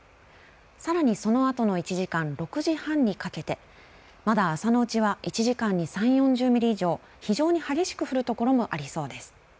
さらに、そのあとの１時間６時半にかけてまだ朝のうちは１時間に３、４０ミリ以上非常に激しく降るところもありそうです。